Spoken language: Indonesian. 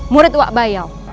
murid wak bayau